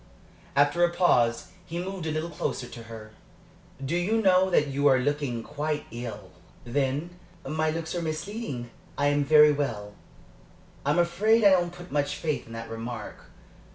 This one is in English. After a pause he moved a little closer to her. "Do you know that you are looking quite ill?" "Then my looks are misleading. I am very well." "I am afraid I don't put much faith in that remark.